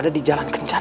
fahri harus tau nih